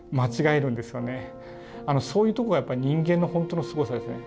そういうとこがやっぱ人間の本当のすごさですね。